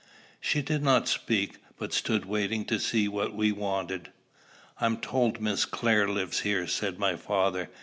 She did not speak, but stood waiting to see what we wanted. "I'm told Miss Clare lives here," said my father.